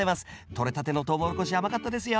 とれたてのトウモロコシ甘かったですよ。